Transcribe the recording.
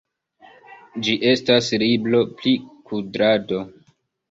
Ĝi estas libro pri kudrado.